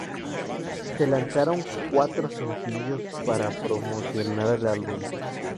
Se lanzaron cuatro sencillos para promocionar el álbum.